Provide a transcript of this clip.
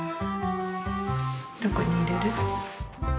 どこにいれる？